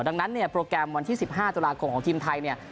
ดังนั้นโปรแกรมวันที่๑๕ตุลากรมของทีมไทย